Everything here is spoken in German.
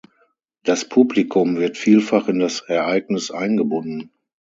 Das Publikum wird vielfach in das Ereignis eingebunden.